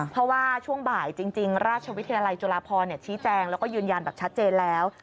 เพราะว่าช่วงบ่ายจริงราชวิทยาลัยจุฬาพรชี้แจงแล้วก็ยืนยันแบบชัดเจนแล้ว